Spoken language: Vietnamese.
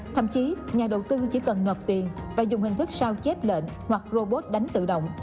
thậm chí nhà đầu tư chỉ cần nộp tiền và dùng hình thức sao chép lệnh hoặc robot đánh tự động